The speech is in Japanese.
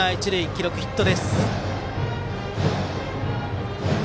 記録はヒット。